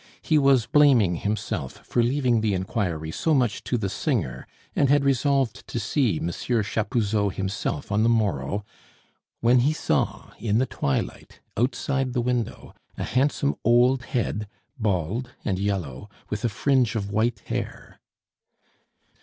He was blaming himself for leaving the inquiry so much to the singer, and had resolved to see Monsieur Chapuzot himself on the morrow, when he saw in the twilight, outside the window, a handsome old head, bald and yellow, with a fringe of white hair.